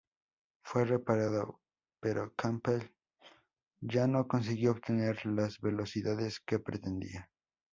Fue reparado, pero Campbell ya no consiguió obtener las velocidades que pretendía.